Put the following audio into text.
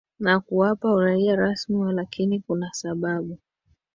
na kuwapa uraia rasmi Walakini kuna sababu